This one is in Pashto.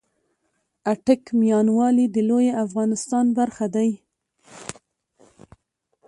آټک ، ميان والي د لويې افغانستان برخه دې